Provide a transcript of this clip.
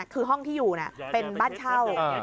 คือห้องที่อยู่เป็นบ้านเช่า